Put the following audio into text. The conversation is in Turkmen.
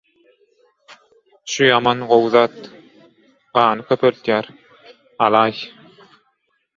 Şü ýaman gowy zat, gany köpeldýä. Alaý.